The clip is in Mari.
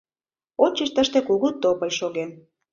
Ончыч тыште кугу тополь шоген.